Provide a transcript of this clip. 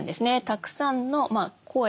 たくさんの声。